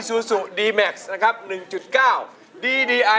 ตกลงว่า